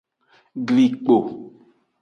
Glikpo.